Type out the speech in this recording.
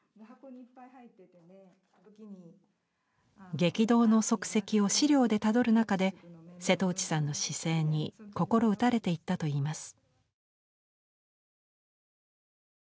激動の足跡を資料でたどる中で瀬戸内さんの姿勢に心を打たれていったといいます。